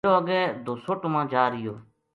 ڈیرو اگے دوسُٹ ما جا رہیو